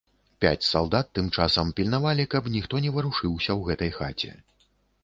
Пяць салдат тым часам пільнавалі, каб ніхто не варушыўся ў гэтай хаце.